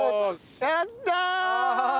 やったー！